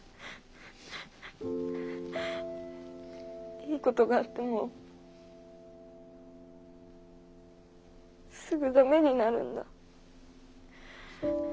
いいことがあってもすぐダメになるんだ。